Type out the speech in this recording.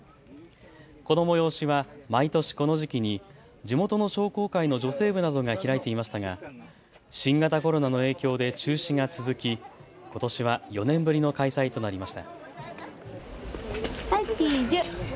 この催しは毎年この時期に地元の商工会の女性部などが開いていましたが新型コロナの影響で中止が続きことしは４年ぶりの開催となりました。